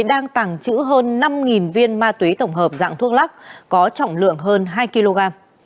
đang tàng trữ hơn năm viên ma túy tổng hợp dạng thuốc lắc có trọng lượng hơn hai kg